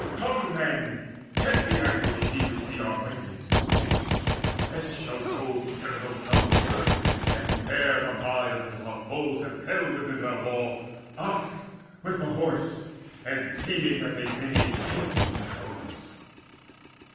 Come then, set the ambush, ye Which be our mightiest, and the rest shall go To Tenedos' hallowed burg, and there abide Until our foes have haled within their walls Us with the Horse, as deeming that they bring A gift unto Tritonis.